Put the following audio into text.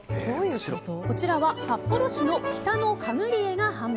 こちらは札幌市の北のカヌリエが販売。